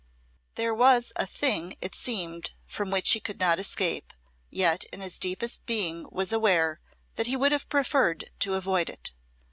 There was a thing it seemed from which he could not escape, yet in his deepest being was aware that he would have preferred to avoid it.